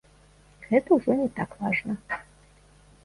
Гэта ўжо не так важна.